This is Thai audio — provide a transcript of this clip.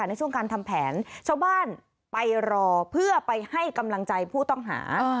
ในช่วงการทำแผนชาวบ้านไปรอเพื่อไปให้กำลังใจผู้ต้องหา